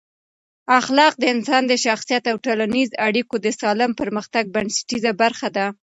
اخلاق د انسان د شخصیت او ټولنیزو اړیکو د سالم پرمختګ بنسټیزه برخه ده.